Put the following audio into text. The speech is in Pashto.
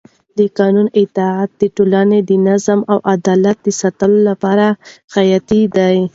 د قانون اطاعت د ټولنې د نظم او عدالت د ساتلو لپاره حیاتي دی